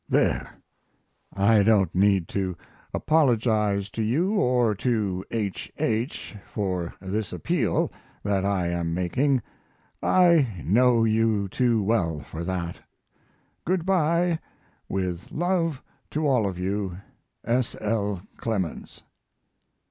There I don't need to apologize to you or to H. H. for this appeal that I am making; I know you too well for that: Good by, with love to all of you, S. L. CLEMENS.